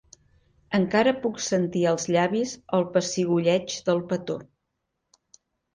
Encara puc sentir als llavis el pessigolleig del petó.